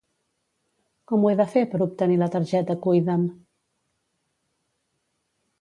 Com ho he de fer per obtenir la targeta Cuida'm?